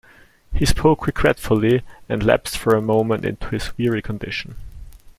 He spoke regretfully and lapsed for a moment into his weary condition.